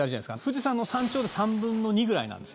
「富士山の山頂で３分の２ぐらいなんですよ」